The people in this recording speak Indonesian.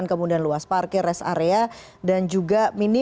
kemudian sekali banget dan gini